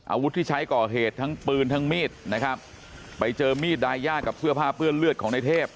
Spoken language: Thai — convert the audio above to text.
อาวุธที่ใช้ก่อเหตุทั้งปืนทั้งมีดนะครับไปเจอมีดดายากับเสื้อผ้าเปื้อนเลือดของนายเทพ